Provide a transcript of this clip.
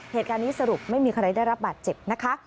เหตุการณ์นี้สรุปไม่มีใครได้รับบัตรเจ็บนะคะ